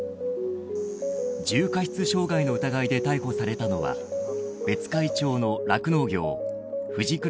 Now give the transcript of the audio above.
重過失傷害の疑いで逮捕されたのは別海町の酪農業藤倉